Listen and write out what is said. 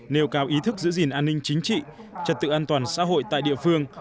nêu cao ý thức giữ gìn an ninh chính trị trật tự an toàn xã hội tại địa phương